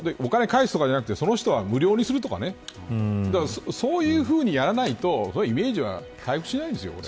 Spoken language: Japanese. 返すだけじゃなくてその人は無料にするとかねそういうふうにやらないとイメージは回復しないですよ。